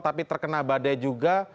tapi terkena badai juga